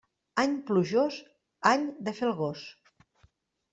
Any plujós, any de fer el gos.